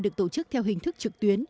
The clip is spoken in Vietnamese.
được tổ chức theo hình thức trực tuyến